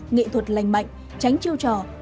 nghệ thuật lành mạnh tránh chiêu trò